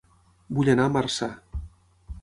Vull anar a Marçà